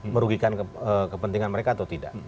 merugikan kepentingan mereka atau tidak